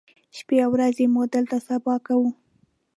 شپې او ورځې مو دلته سبا کوو.